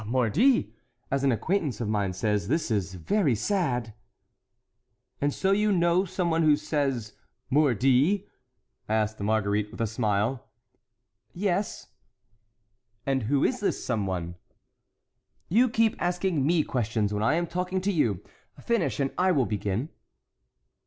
"Mordi! as an acquaintance of mine says, this is very sad." "And so you know some one who says mordi?" asked Marguerite, with a smile. "Yes." "And who is this some one?" "You keep asking me questions when I am talking to you. Finish and I will begin."